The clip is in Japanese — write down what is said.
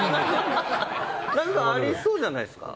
何か、ありそうじゃないですか。